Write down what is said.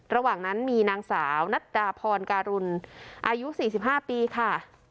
ระหว่างนั้นมีนางสาวนัดดาพรการุลอายุสี่สิบห้าปีค่ะ